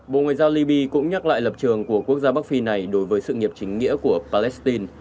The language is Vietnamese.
bộ ngoại giao liby cũng nhắc lại lập trường của quốc gia bắc phi này đối với sự nghiệp chính nghĩa của palestine